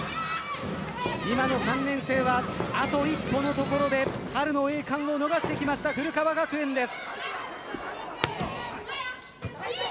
今の３年生はあと一歩のところで春の栄冠を逃してきました古川学園です。